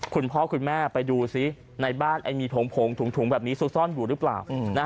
คุณพ่อคุณแม่ไปดูซิในบ้านมีโถงถุงแบบนี้ซุกซ่อนอยู่หรือเปล่า